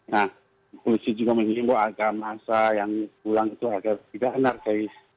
nah polisi juga menghimbau agar masa yang pulang itu agar tidak anarkis